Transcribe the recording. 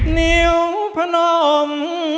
นิ้วพนม